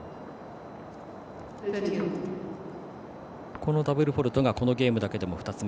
このダブルフォールトがこのゲームだけでも２つ目。